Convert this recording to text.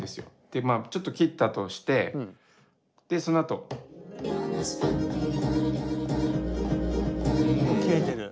でまあちょっと切ったとしてそのあと。切れてる。